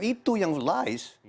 itu yang lies